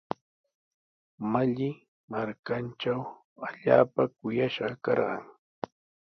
Malli markantraw allaapa kuyashqa karqan.